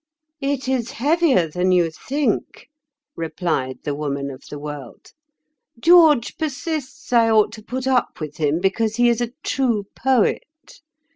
"It is heavier than you think," replied the Woman of the World. "George persists I ought to put up with him because he is a true poet.